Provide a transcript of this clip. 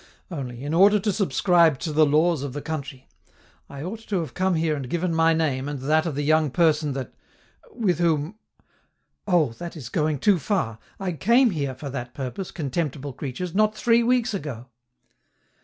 Only, in order to subscribe to the laws of the country, I ought to have come here and given my name and that of the young person that with whom "Oh! that is going too far! I came here for that purpose, contemptible creatures, not three weeks ago!"